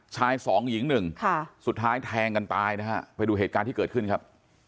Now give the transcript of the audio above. ชายสองหญิงหนึ่งสุดท้ายแทงกันตายนะฮะไปดูเหตุการณ์ที่เกิดขึ้นครับ